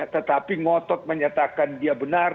tetapi ngotot menyatakan dia benar